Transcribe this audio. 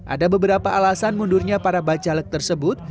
ada beberapa alasan mundurnya para bacalek tersebut